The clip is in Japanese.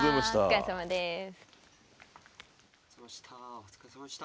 お疲れさまでした。